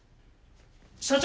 社長！